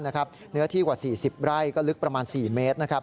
เนื้อที่กว่า๔๐ไร่ก็ลึกประมาณ๔เมตรนะครับ